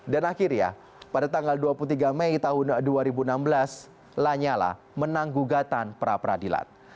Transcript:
dan akhirnya pada tanggal dua puluh tiga mei dua ribu enam belas lanyala menang gugatan pra peradilan